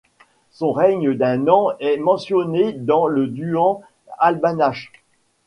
Son règne d’un an est mentionné dans le Duan Albanach.